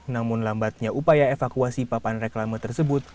namun lambatnya upaya evakuasi papan reklama tersebut